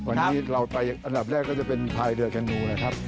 วันนี้เราไปอันดับแรกก็จะเป็นพายเรือกันนูนะครับ